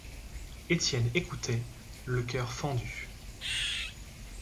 Étienne écoutait, le coeur fendu.